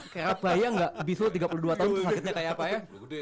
kayaknya bayang gak bisul tiga puluh dua tahun tuh sakitnya kayak apa ya